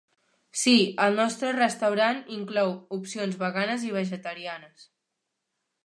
Sí, el nostre restaurant inclou opcions veganes i vegetarianes.